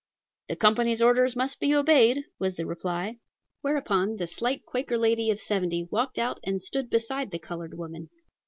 "The company's orders must be obeyed," was the reply. Whereupon the slight Quaker lady of seventy walked out and stood beside the colored woman.